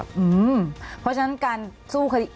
เพราะฉะนั้นการสู้คดี